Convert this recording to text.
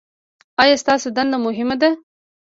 ایا ستاسو دنده مهمه ده؟